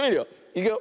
いくよ。